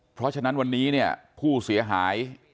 เพราะฉะนั้นวันนี้เนี่ยผู้เสียหาย